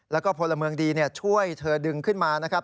แล้วก็พลเมืองดีช่วยเธอดึงขึ้นมานะครับ